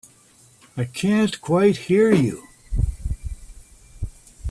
I can't quite hear you.